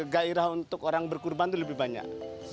gairah untuk orang berkurban itu lebih banyak